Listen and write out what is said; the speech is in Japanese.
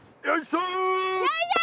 よいしょ。